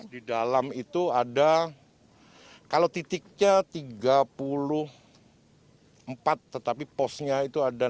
di dalam itu ada kalau titiknya tiga puluh empat tetapi posnya itu ada dua puluh